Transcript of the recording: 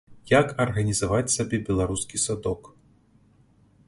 Як арганізаваць сабе беларускі садок.